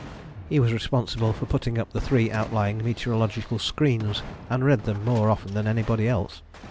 He was responsible for putting up the three outlying meteorological screens and read them more often than anybody else.